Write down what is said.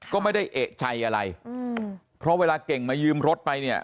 ก็ไม่ได้เอกใจอะไรอืมเพราะเวลาเก่งมายืมรถไปเนี่ย